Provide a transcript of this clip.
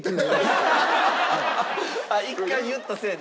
あっ１回言ったせいで？